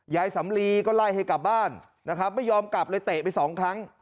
สำลีก็ไล่ให้กลับบ้านนะครับไม่ยอมกลับเลยเตะไปสองครั้ง